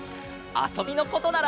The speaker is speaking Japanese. あそびのことなら。